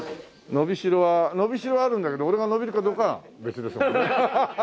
伸びしろは伸びしろはあるんだけど俺が伸びるかどうかは別ですもんね。